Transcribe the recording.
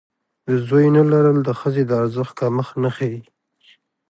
د زوی نه لرل د ښځې د ارزښت کمښت نه ښيي.